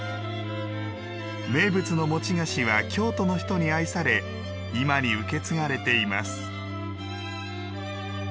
名物の餅菓子は京都の人に愛され今に受け継がれています。